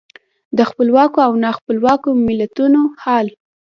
د خپلواکو او نا خپلواکو ملتونو حال.